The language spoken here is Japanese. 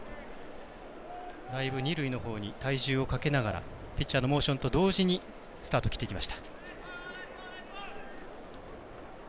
だいぶ二塁のほうに体重をかけながらピッチャーのモーションと同時にスタート切っていきました。